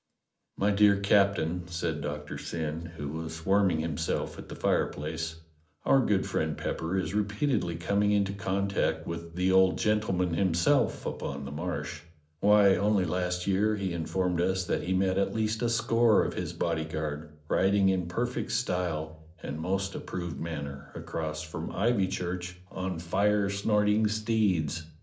"My dear Captain," said Doctor Syn, who was warm ing himself at the fireplace, "our good friend Pepper is repeatedly coming into contact with the old gentleman himself upon the Marsh. Why, only last year he in formed us that he met at least a score of his bodyguard riding in perfect style and most approved manner across from Ivychurch on fire snorting steeds.